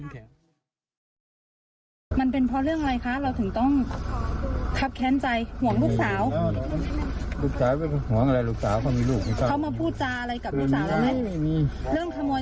แกจะตัดแล้วมีคนรู้แท้อืมอืมอืมเหมือนผู้จำไม่ดีใส่เราหรอ